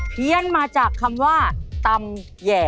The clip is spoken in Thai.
เพี้ยนมาจากคำว่าตำแย